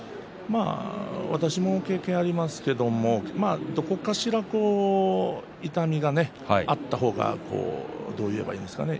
私も経験ありますけれどもどこかしら痛みがあった方がどう言えばいいんですかね